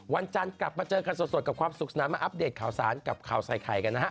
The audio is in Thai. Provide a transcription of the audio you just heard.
วันจันทร์กลับมาเจอกันสดกับความสุขสนานมาอัปเดตข่าวสารกับข่าวใส่ไข่กันนะฮะ